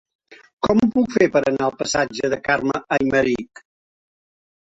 Com ho puc fer per anar al passatge de Carme Aymerich?